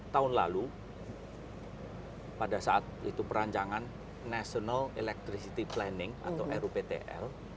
tahun lalu pada saat itu perancangan national electricity planning atau ruptl